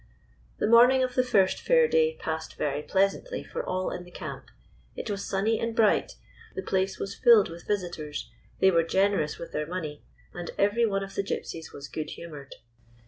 The morning of the first Fair day passed very pleasantly for all in the camp. It was sunny 189 GYPSY, THE TALKING DOG and bright; the place was filled with visitors; they were generous with their money, and every one of the Gypsies was good humored.